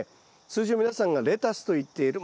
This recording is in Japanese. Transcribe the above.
通常皆さんがレタスといっている